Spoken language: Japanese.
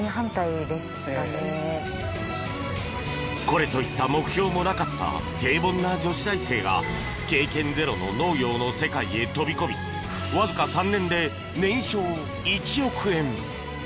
これといった目標もなかった平凡な女子大生が経験ゼロの農業の世界へ飛び込みわずか３年で年商１億円。